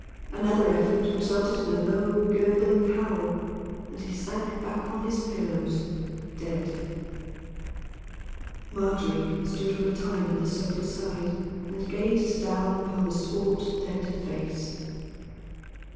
Another effort resulted in a low gurgling howl, and he sank back on his pillows dead. Margery stood for a time at the sofa side and gazed down upon the swart, dead face.